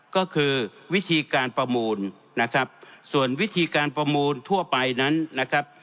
ก็คือวิธีการประมูลนะครับส่วนวิธีการประมูลทั่วไปนั้นนะครับ